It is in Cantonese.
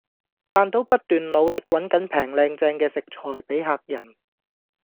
但都不斷努力搵緊平靚正嘅食材俾客人